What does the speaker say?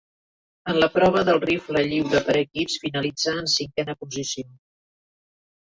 En la prova del rifle lliure per equips finalitzà en cinquena posició.